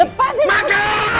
lepasin aku mas